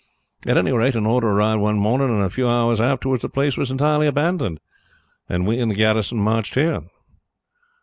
At any rate, an order arrived one morning, and a few hours afterwards the place was entirely abandoned, and we and the garrison marched here."